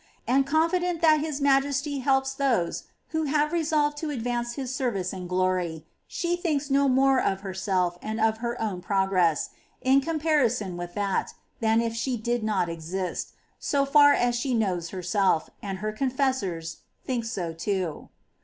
And confident that His Majesty helps those who have resolved to advance His service and glory, she thinks no more of herself and of her own progress, in comparison with that, than if she did not exist, so far as she knows herself, and her confessors think so too.